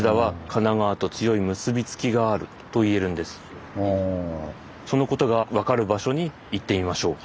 実はそのことが分かる場所に行ってみましょう。